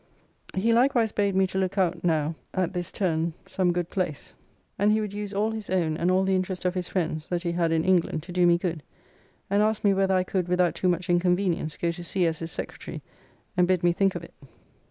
He likewise bade me look out now at this turn some good place, and he would use all his own, and all the interest of his friends that he had in England, to do me good. And asked me whether I could, without too much inconvenience, go to sea as his secretary, and bid me think of it.